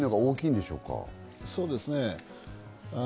そうですね。